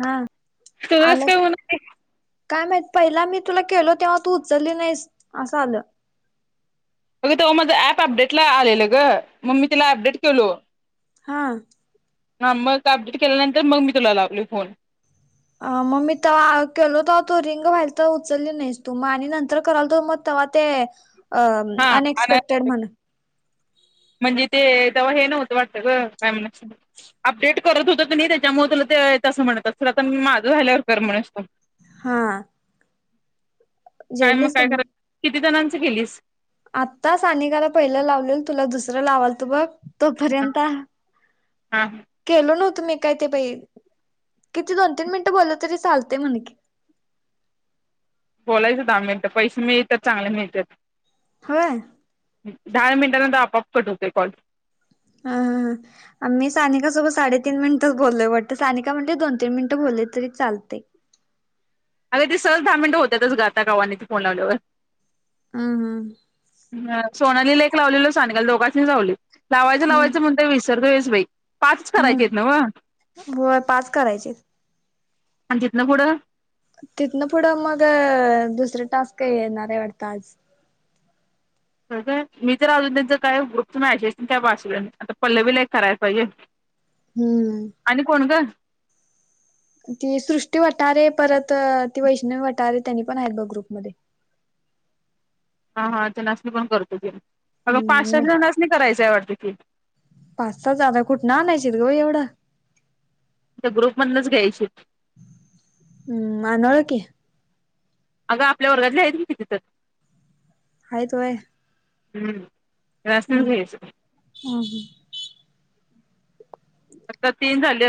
हा तस आलं काय होणार काय माहित पहिला मी तुला केलो तेव्हा तू उचलली नाही असं आलं. अग त माझं ऍप अपडेट ला आलेलं ग मग मी तिला अपडेट केलो, हां, हा मग अपडेट केल्यानंतर मग मी तुला लावल फोन मग मी केल होत तो रिंग व्हायला तर उचलली नाहीस तू मग आणि नंतर कराल त मग तवा ते हा आणि अनेक्पेक्टेड मन म्हणजे ते तेव्हा हे न होत वाटत काय म्हणा अपडेट करत होत त नाही त्याच्यामुळे असं म्हणतात, तर माझं झाल्यावर कर म्हण. हा, काय मग जेवलीस का काय नाही करा किती जणांच केलीस आत्ताच आणि ने का आला पहिलं लावलेल तुला दुसरं लावाल तू बघ हा तोपर्यंत हा केलो नव्हत तुम्ही काय ते पहि किती दोन तीन मिनिटं बोलल तरी चालतेय म्हण की बोलायचं दहा मिनट पैसे मिळतात चांगले मिळतात होा दहा मिनटानंतर आपोआप कट हुतोय काॅल ह ह हा हा आमी सानिकासोबत साडे तीन मिनिटच बोललोय वाटतं सानिका म्हटली दोन तीन मिनिटं बोललं तरी चालतय तय अरग ते सहज धा मिनटं होत्यातच ग आता कवा नइ ते फोन लावल्यावर हम हम सोनालीला एक लावलेलो सनिकाल दोघांसनिच लावलेल लावायचं लावायचं म्हणतय विसरतय बई हम होय पाच करायचीयत आण तितन पुढ तिथनं पुढं मग अ दुसर टास्क का येणारे हाय वाढत आज [inaudible] मी तर अजून तेंच काय ग्रुपच मॅशेजच काय वाचलो नइ पल्लवी ला एक करायल पाइजे हम्म. आणि कोण ग? ती सृष्टी वटारे परत अ ती वैष्णवी वटारे तेंनी पण हाइत बग ग्रुपमध्ये [inaudible] हा हा तेनासणी पण करतो घे की अग पाच हम्म सात जनासणी करायचय वाटत की पाच सहा आता कुटन आणायचीत ग बई एवड त्या ग्रुप मधनच घ्यायची हम् अनोळखि अगं आपल्या वर्गातली हाइत की किती तर हाइत वय हम्म त्यांनासनीच हम् घ्यायचं हा हा आत्ता तीन झाल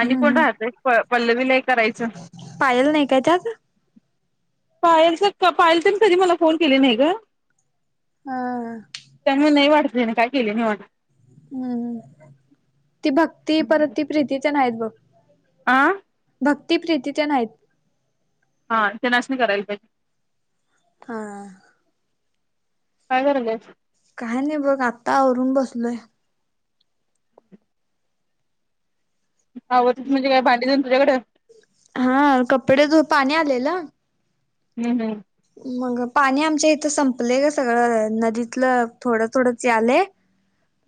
आणि हम्म कोण हम्म राहतय पल पल्लवीला एक करायचं पायल नाही काय त्यात पायल तर पायल तेन कधी मला फोन केले नइ ग हा तेंना नइ वाडत तेनी काय केली नइ वाडत हम्म. ती भक्ती परत ती प्रीती तेन हाइत बग आं भक्ती प्रीती तेन हाइत हा तेनासनी करायल पाइजे हा काय कराल्यास काय नइ बघ आत्ता आवरून बसलोय आवरलीस म्हणजे काय भांडी तेन तुझकडं हा कपडे धुत पाणी आलेल हम्म हम् मग पाणी आमच्या इथं संपलंय ग सगळं नदीतलं थोडं थोडंच यालय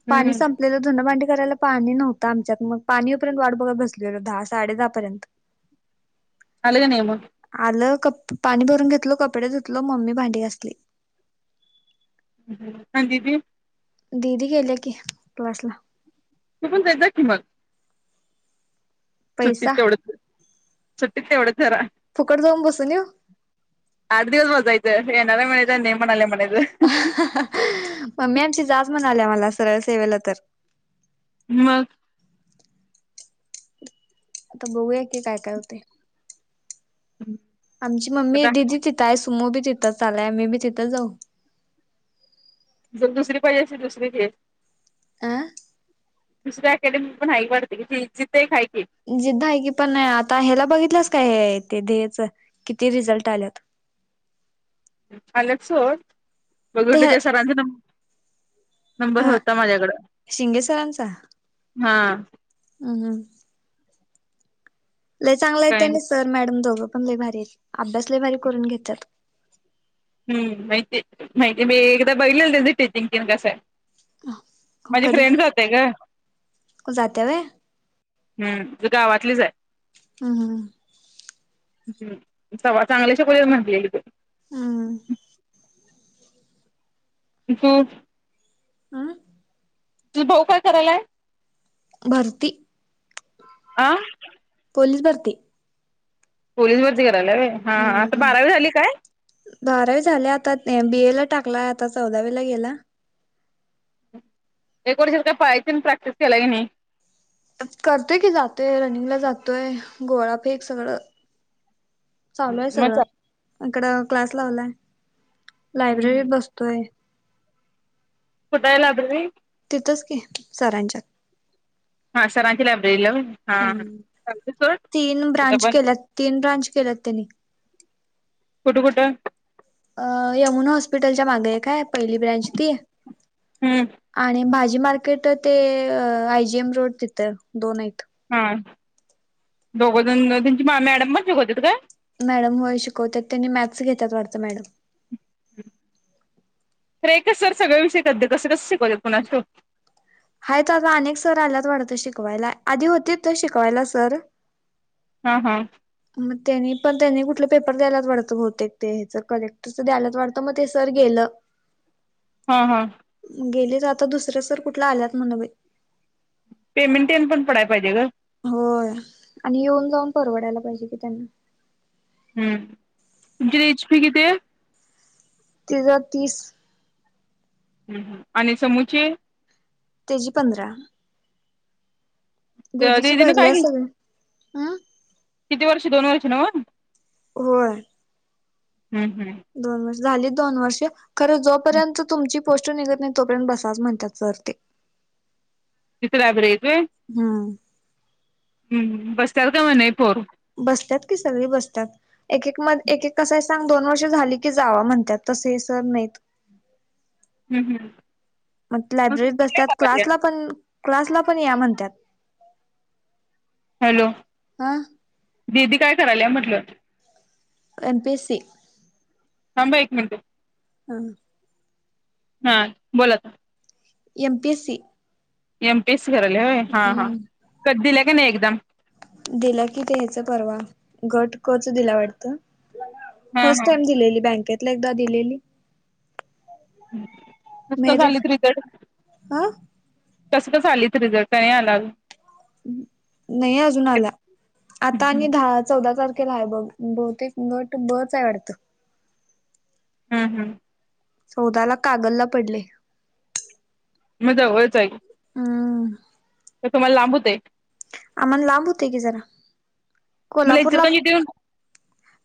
पाणी हम्म संपलेलं धुन भांडी करायला पाणी नव्हतं आमच्यात मग पाणीयेउपरेंत वाट बघत बसलेल धा साडे धहा परेंत झाल काय नइम कप पाणी भरून घेतलो कपडे धुतलो मम्मी भांडी घासली आणि दीदी दीदी गेल्या की क्लासला तू पण जाइत जा की मग सुट्टित पैसा तेवढच सुट्टीत तेवडच जरा फुकट जाउन बसुन येउ आठ दिवस बसायच येणाराय म्हणायच आणि नइ म्हणाल्या म्हणायच. मम्मी आमची जाच म्हणाल्या मला सरळ सेवेला तर मग. आता बघूया की काय काय होतय. आमची मम्मी आता दिदि तिथ आहेत तुम बी तिथं चालाय आ मी बी तिथं जाऊ जर दुसरी पाहिजे असे दुसरी घे आं. दुसऱ्या अकॅडमी पण हाय वाढत कि क ती थेही खा जिद्द आहे की पण आता ह्याला बघितलंस काय हे ते तेच किती रिझल्ट आल्यात आल्यात सोड ते बघितलं त्या सरांचं नंबर हा होता माझ्याकड शिंगे सरांचा हा. [unintelligible] लय चांगलं येत काय? ना सर मॅडम दोघं पण लय भारीत अभ्यास लय भारी करून घेत्यात. हम्म माहिती माहिती मी एकदा बघितलं त्यांच टचिंगन कसं आहे. माझी फ्रेंड जाते ग. जाते व्हय. हम्म गावातलीच आहे. हम्म ह स सांगलीच्या पुजा म्हटलेली त. हम्म [unintelligible] आं. जी भाऊ काय करायलाय. भर्ती आं. पोलीस भरती पोलिस भरती करायलाय होय हा आता हम्म बारावी झाली काय? बारावी झाले आता बीए ला टाकलाय आता चौदावीला गेला एक वर्ष काय पळायची तेन प्रॅक्टिस केलाय काय नाही. करतो य की जातो य रनिंग ला जातोय गोळा फेक सगळं चालू आहे मग चा सगळं इकडं क्लास लावलाय लायब्ररीत बसतोय. कुठाय लायब्ररी? हिथं च कि सरांच्यात हा सरांचीचे लाब्ररीला होय. तीन कुठं ब्रांच पण केल्यात तीन ब्रांच केल्यात त्यांनी कुठं कुठ? अ यमुना हॉस्पिटलच्या मागे एक हाय पहिलि ब्रँच ती हम्म आणि भा जी मार्केट ते आय जीएम रोड तिथं दोन हायत. हा दोघजण त्यांची मॅडम पण शिकवत्यात काय मॅडम होय शिकवतात त्यांनी मॅथस घेतात वाटतं मॅडम. अरे एक च सर सगळ विषय कस कस हायत तर आता अनेक सर आल्यात वाढत त शिकवायला आधी होती तर शिकवायला सर हम्म हम्म. मग त्यांनी पण त्यांनी कुठलं पेपर द्यायलाच वाटतं बहतेक ते ह्याच कलेक्टरचं द्यायलाच वाटतं मग ते सर गेलं. हा हा. गेली तर आता दुसर्या सर कुठला आल्यात म्हणा बाई पेमेंट तेन पडाय पाहिजे का हो आणि येऊन जाऊन परवडायला पाहिजे कि त्यांना हम्म तुमची रेचपी किती तीस हार तीस हम् हम् आणि समूचे तेजी पधरा दिदीन काय भरल्या सगळ हं किती वर्ष दोन वर्ष नव होर हम्म हम् झाली दोन वर्षे खर जोपर्यंत तुमची पोस् निघत नाही तोपर्यंत बसाच म्हणतातरते तिथ ॅबरेज आहे हम्म बसतल का म्ह नाही पर बसतात की सगळी बसतात एक एक म एक एक कसा सांग दोन वर्ष झाली की जावा म्हणतात तस सर नाहीत हम्म हम् मग लायब्ररीत बसतात क्लासला पण क्लासला पण या म्हणतात हॅलो ह दिदी काय करायल म्हटल एमपी सी थांबा एक म्हणते हम हा बोलात M P S C M piece कराले होय हा हा कध दिल्या का नाही एकदम दिला की द्यायच परवा घट कच दिला वाटत हा फर्स्ट हा टाइम दिलेली बँकेतला एकदा दिलेली नुसकं मेरिट झाली त रकडे हा कसं कसं आलीत रिझल का नाही आला नाही अजून आला आता हम्म आणि दहा चौदा तारख बघ बहुतेक गट बच आहे वाटत हम्म हम्म सौदाला कागलला पडले मजा होयच आहे हम तर तुम्हाला लांबवते आहे आम्हाला लाभ होतय की जरा मला इतर कोल्हापूरला का ठेऊ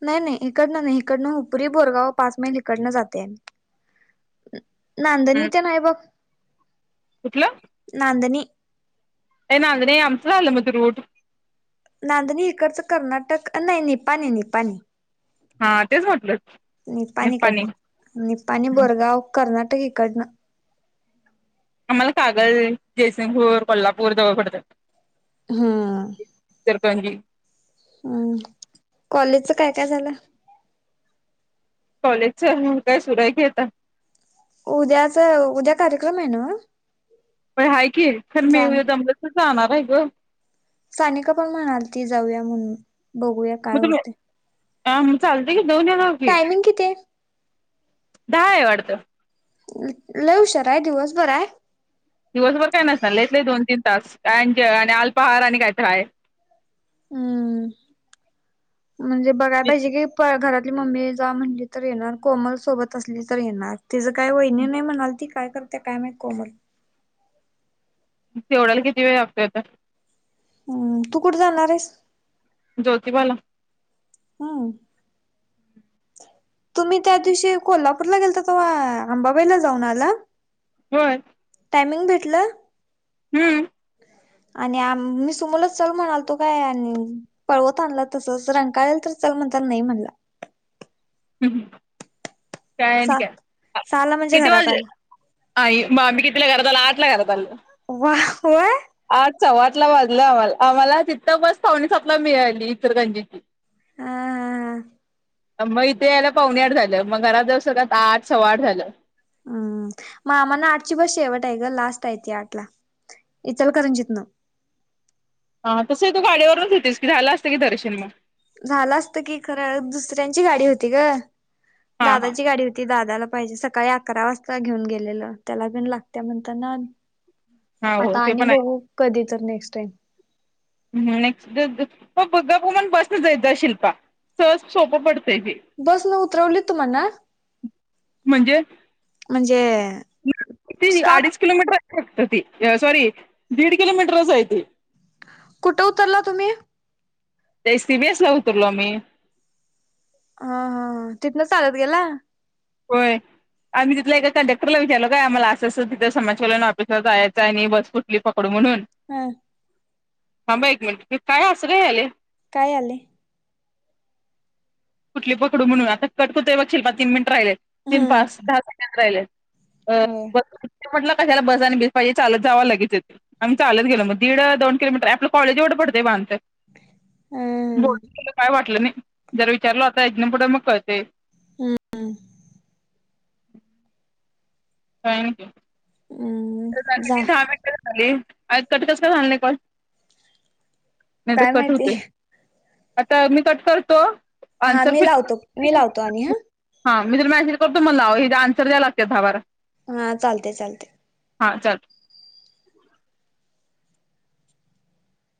नाही नाही इकडनं नाही इकडनं हपुरी बोरगाव पाच मैल इकडनं जाते आ नांदणी हं ते नाही बघ नांदनी ना अगन आमसलं म तु रूड नांदणी इकडचं कर्नाटक नाही निपाणी निपाणी हा तेच म्हटलं निपाणीकड निप्पाणी निपाणी बोरगाव कर्नाटक तही काढन आम्हाला कागल जयसिंगपूर कोल्हापूर जवळ पडतात इ तरजी हम् कॉलेजच काय काय झालं कॉलेजच काय सुरय घेता उद्याच उद्या कार्यक्रम आहे ना प आहेय की तर मी जाण दमत जाणार आहे ग सानिका पण म्हणाल ती जाऊया म्हणून बघूया काय होते ह मग चालते क टायमिंग किती दहा आहे वाटत लव शरय दिवसभरय दिवसभर काय नाही सेतले दोन तीन तास काय आणि अल्पाहार आणि कायठय हम्म म्हणजे बघाय पाहिजे कि घरात आपली मम्मी जा म्हणली तर येणार कोमल सोबत असली तर येणार तिच काय वहिणी नाही म्हणाल ती काय करते काय नाही कोमल तेवडाला किती वेळ लागतोयता हम्म तू कुठे जालणार आहेस ज्योति बाला हा तुम्ही त्या दिवशी कोल्हापूरला गेलता तेव्हा अंबाबाईला जाऊन आला हो टायमिंग भेटलं हम्म आणि आ मी सुमोलच चल म्हणालतो काय आणि पळवत आणला तस रंकाळेल तर म्हण नाही म्हणला हम्म हम् काय सा काय सहाला म्हणजे किती घरात वाज आले आई म मी कितीला घरात आलो आठला घरात आल वा वय आठ चव आठ ला वाजलं आम्हाला आम्हाला तिथं बस पाथवणीस आपला मिळाली इतर गांजीची हा हा हा मग इथे यायला पावणेआठ झालं मग घरात जाऊ सगत आठ सव्वा आठ झालं हम्म मग आम्हाना आठची बस शेवट आहे ग लास्ट आहे त आठ ला इतल करंजितना हा तस तू गाडीवरच होेतेस की झाला असतं की दर्शनमा झाला असत की खरं दुसऱ्यांची गाडी होती ग हा हा दादाची गाडी होती दादाला पाहिजे सकाळी अकरा वाजता घेऊन गेलेलं त्याला पण लागत म्हणत ना हा हो आता ते आणि पण बघू कधी तर नेक्स्ट टाईम ह् नेक्स्ट बाण बसन जायचं शिल्पा सहज सोपं पडतो बसन उतरवले तुम्हाणा म्हणजे स्टॉप अडीच किलोमीटर सॉरी दीड किलोमीटर असच आहे ते कुठं उतरला तुम्ही ते सी बीस ला उतरलो मी हा हा तिथनं चालत गेला होय आम्ही तिथ एका कंडक्रला विचारल काय आम्हाला असं तिथं समाचलन ऑफिसला जायचं आणि बस कुठली फक् ड म्हणून ह हांबा एक मिनट काय असरं आले काय आले कुठली पकडू म्हणून आता कटकुतय बघ खेलप तीन मिनिट राहिले तीन हम्म पाच दहा सेकड राहिले अ होय ब म्हट कशाला बस आणि भस पाजे लत जाव लागेचेत आम्ही लत गल मग दीड दोन किलोमीटर आपलं कॉज एव ड ब हम्म तला काय वाटलं नाही जर विचारलं आता एकना पुढे मग कळते हम थँक यू हम्म तर जा बाकीि दहा मिनट कट कस का झालं नाही काण नाही तर काय कट होते माहिती आता मी कट करतो हा मी लावतो मी लावतो आणि हा [unintelligible] हां मी तुला मेसेज करतो मग लावा हिते ऑन्सर द्याला लागते दहा बार हा चालते चालते हा चल